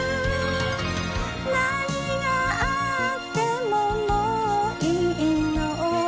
何があってももういいの